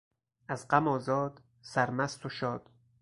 از غم آزاد، سرمست و شاد